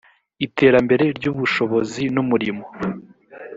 iterambere ry’ubushobozi n’umurimo